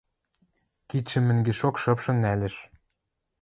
Кидшӹм мӹнгешок шыпшын нӓлеш.